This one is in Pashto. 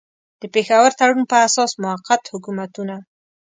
د پېښور تړون پر اساس موقت حکومتونه.